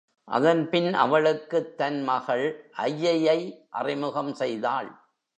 அதன்பின் அவளுக்குத் தன் மகள் ஐயையை அறிமுகம் செய்தாள்.